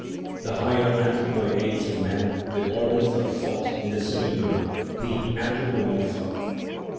The higher anthropoid apes and man, with organs of thought (in the cerebrum) : the anthropo morpha.